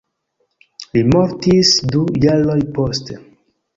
Li mortis du jaroj poste.